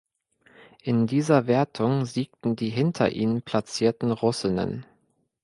In dieser Wertung siegten die hinter ihnen platzierten Russinnen.